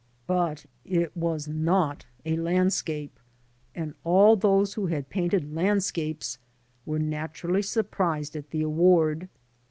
but it was not a landscape; and all those who had painted landscapes were naturally surprised at the award.